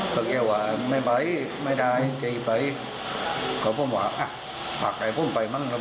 พระภูมิโทฯก็เพิ่งว่า